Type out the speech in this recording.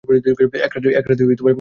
এক রাত্রি এক দিন সমুদ্রে।